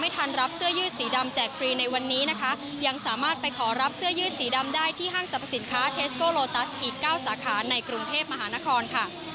พระเภพมหานครค่ะ